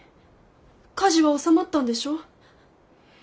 火事は収まったんでしょ？